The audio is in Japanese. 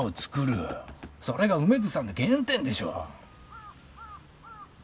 それが梅津さんの原点でしょ？